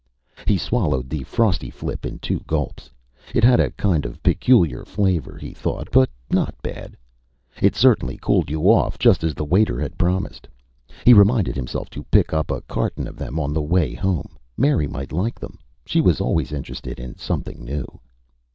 He swallowed the Frosty Flip in two gulps. It had a kind of peculiar flavor, he thought, but not bad. It certainly cooled you off, just as the waiter had promised. He reminded himself to pick up a carton of them on the way home; Mary might like them. She was always interested in something new.